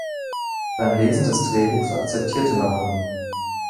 Beim Lesen des Drehbuchs akzeptierte Mahoney.